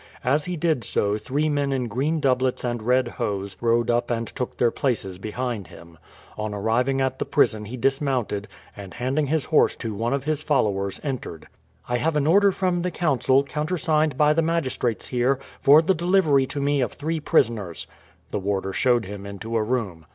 As he did so three men in green doublets and red hose rode up and took their places behind him. On arriving at the prison he dismounted, and handing his horse to one of his followers entered. "I have an order from the Council, countersigned by the magistrates here, for the delivery to me of three prisoners." The warder showed him into a room.